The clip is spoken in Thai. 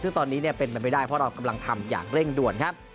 ซึ่งตอนนี้เป็นไปไม่ได้เพราะเรากำลังทำอย่างเร่งด่วนครับ